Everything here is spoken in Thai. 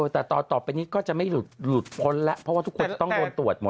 แต่ต่อไปนี้ก็จะไม่หลุดพ้นแล้วเพราะว่าทุกคนจะต้องโดนตรวจหมด